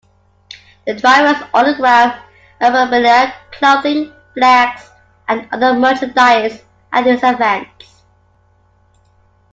The drivers autograph memorabilia, clothing, flags and other merchandise at these events.